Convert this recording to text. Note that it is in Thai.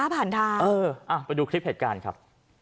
ไปดูคลิปเหตุการณ์ครับ